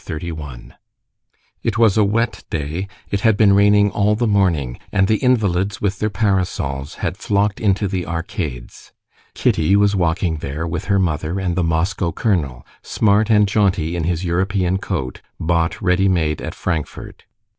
Chapter 31 It was a wet day; it had been raining all the morning, and the invalids, with their parasols, had flocked into the arcades. Kitty was walking there with her mother and the Moscow colonel, smart and jaunty in his European coat, bought ready made at Frankfort.